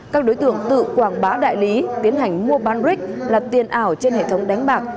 các đối tượng tự quảng bá đại lý tiến hành mua bán rick là tiền ảo trên hệ thống đánh bạc